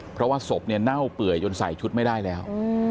เพราะว่าศพเนี่ยเน่าเปื่อยจนใส่ชุดไม่ได้แล้ว